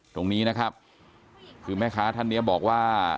ตรงนี้นะครับคือแม่ค้าท่านเนี่ยบอกว่า